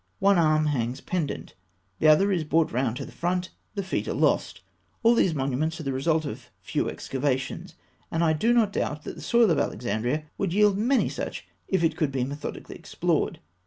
One arm hangs pendent; the other is brought round to the front; the feet are lost. All these monuments are the results of few excavations; and I do not doubt that the soil of Alexandria would yield many such, if it could be methodically explored.